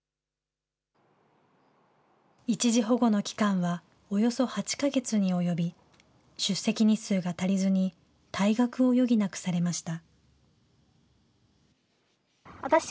一時保護の期間はおよそ８か月に及び、出席日数が足りずに退学を余儀なくされました。